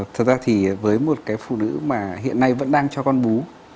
thật ra thì với một cái phụ nữ mà hiện nay vẫn đang cho con bú